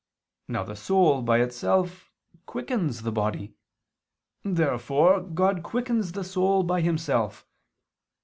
Now the soul by itself quickens the body. Therefore God quickens the soul by Himself.